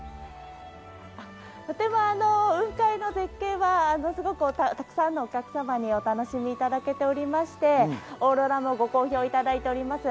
とても雲海の絶景はたくさんのお客様にお楽しみいただけておりまして、オーロラもご好評いただいております。